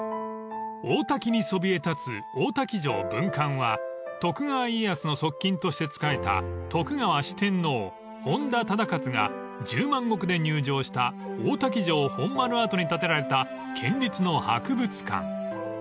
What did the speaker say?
［大多喜にそびえ立つ大多喜城分館は徳川家康の側近として仕えた徳川四天王本多忠勝が１０万石で入城した大多喜城本丸跡に建てられた県立の博物館］